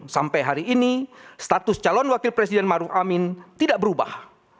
sampai hari ini status calon wakil presiden maruf amin tidak berubah